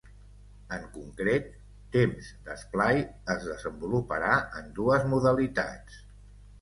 En concret, ‘Temps d’Esplai’ es desenvoluparà en dues modalitats.